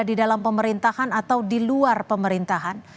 di dalam pemerintahan atau di luar pemerintahan